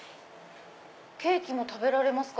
ケーキも食べれますか？